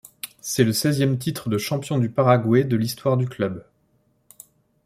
C'est le seizième titre de champion du Paraguay de l'histoire du club.